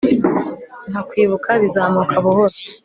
Nka kwibuka bizamuka buhoro